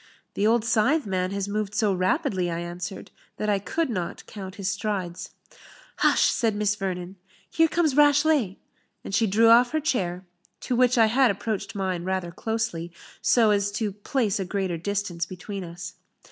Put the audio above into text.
"The old scythe man has moved so rapidly," I answered, "that I could not count his strides." "Hush!" said Miss Vernon, "here comes Rashleigh;" and she drew off her chair, to which I had approached mine rather closely, so as to place a greater distance between us.